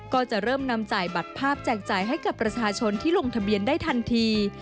ก็จะเริ่มนำจ่ายบัตรภาพแจกจ่ายให้กับประชาชนที่ลงทะเบียนได้ทันที